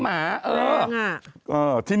อะไรกัน